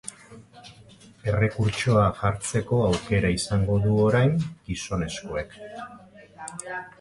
Errekurtsoa jartzeko aukera izango du orain gizonezkoak.